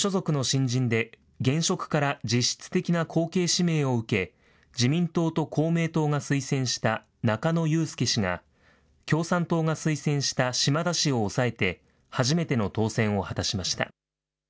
無所属の新人で現職から実質的な後継指名を受け、自民党と公明党が推薦した中野祐介氏が、共産党が推薦した嶋田氏を抑えて初めての当選を果たしました。